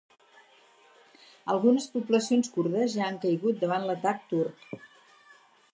Algunes poblacions kurdes ja han caigut davant l'atac turc